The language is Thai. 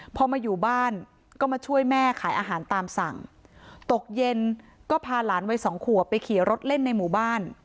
พอมาอยู่บ้านก็มาช่วยแม่ขายอาหารตามสั่งตกเย็นก็พาหลานวัยสองขวบไปขี่รถเล่นในหมู่บ้าน